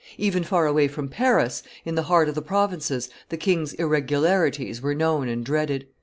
Even far away from Paris, in the heart of the provinces, the king's irregularities were known and dreaded.